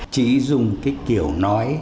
chỉ dùng cái kiểu nói